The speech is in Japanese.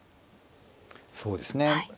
そうですね。